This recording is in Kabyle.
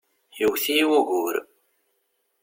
Yewwet-iyi wugur.